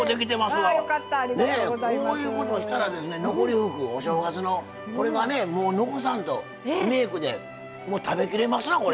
こういうことをしたら残り福お正月の、これがね、残さんとリメイクで食べきれますな、これ。